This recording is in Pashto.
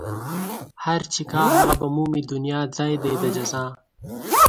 هر چې کا هغه به مومي دنيا ځای دئ د جزا